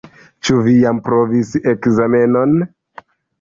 Ĉu vi jam provis ekzamenon?